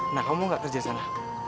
nah kamu gak kerja sana